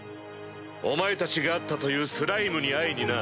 お前たちが会ったというスライムに会いにな。